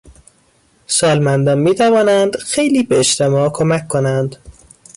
سالمندان میتوانند خیلی به اجتماع کمک کنند.